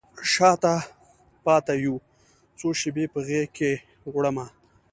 شاته پاته یو څو شپې په غیږکې وړمه